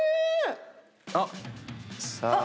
あっ！